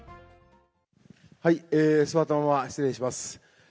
座ったまま失礼します。